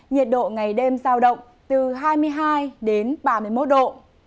nhiệt độ ngày đêm giao động từ hai mươi hai đến ba mươi một độ